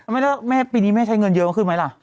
แล้วแม่ปีนี้แม่ใช้เงินเยอะขึ้นไหมล่ะ